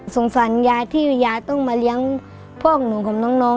ฝันยายที่ยายต้องมาเลี้ยงพ่อของหนูของน้อง